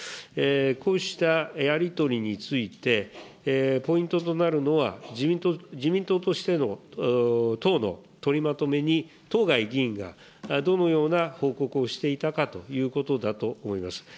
こうしたやり取りについて、ポイントとなるのは、自民党としての党の取りまとめに、当該議員がどのような報告をしていたかということだと思います。